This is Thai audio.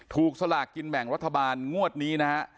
สลากกินแบ่งรัฐบาลงวดนี้นะฮะ